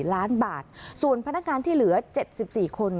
ล้านบาทส่วนพนักงานที่เหลือ๗๔คน